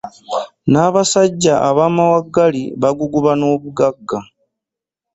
N'abasajja ab'amawaggali baguguba n'obugagga.